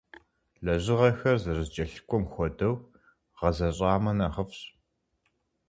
Лэжьыгъэхэр зэрызэкӏэлъыкӏуэм хуэдэу гъэзэщӏамэ нэхъыфӏщ.